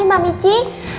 pagi mbak mici